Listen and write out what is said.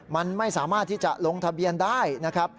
มันไม่สามารถที่จะลงทะเบียนได้นะครับ